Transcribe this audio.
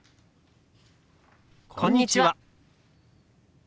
「こんにちは」。